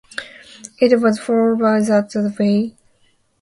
It was followed by Is That the Way?